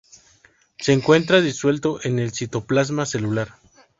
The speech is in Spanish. Se encuentra disuelto en el citoplasma celular.